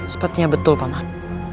sepertinya betul paman